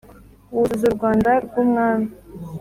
wuzuza urwanda rw umwami